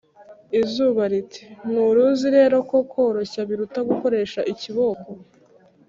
izuba riti «nturuzi rero ko koroshya biruta gukoresha ikiboko